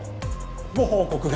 ご報告が